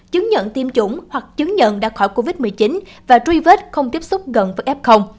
chứng nhận tiêm chủng hoặc chứng nhận đã khỏi covid một mươi chín và truy vết không tiếp xúc gần với f